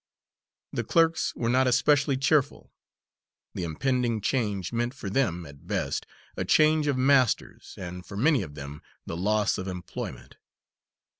The clerks were not especially cheerful; the impending change meant for them, at best, a change of masters, and for many of them, the loss of employment.